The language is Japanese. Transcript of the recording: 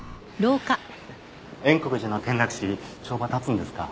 円国寺の転落死帳場立つんですか？